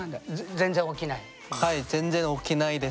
全然起きない？